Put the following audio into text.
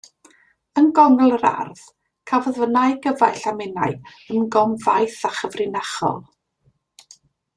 Yng nghongl yr ardd cafodd fy nau gyfaill a minnau ymgom faith a chyfrinachol.